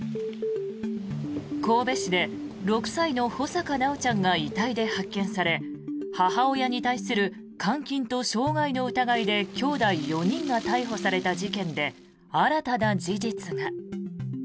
神戸市で６歳の穂坂修ちゃんが遺体で発見され母親に対する監禁と傷害の疑いできょうだい４人が逮捕された事件で新たな事実が。